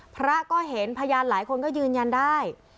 พระก็เห็นพยานหลายคนก็ยืนยันได้